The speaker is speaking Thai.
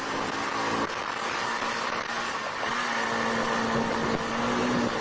อายุนาย